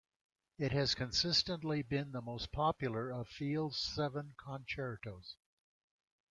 It has consistently been the most popular of Field's seven concertos.